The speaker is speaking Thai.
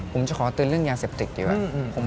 ผมจะขอเตือนเรื่องยาเสพติดดีกว่า